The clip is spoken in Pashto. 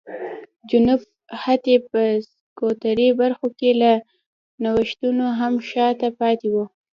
جنوب حتی په سکتوري برخو کې له نوښتونو هم شا ته پاتې و.